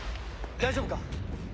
大丈夫か？